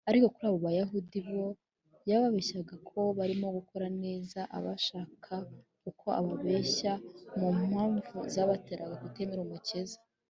ariko kuri abo bayahudi bo, yababeshyaga ko barimo gukora neza, ashakashaka uko abashuka mu mpamvu zabateraga kutemera umukiza